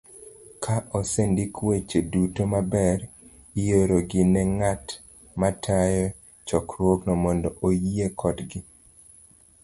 Ka osendik weche duto maber, iorogi ne ng'at matayo chokruogno mondo oyie kodgi